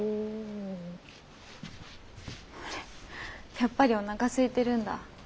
あれやっぱりおなかすいてるんだ。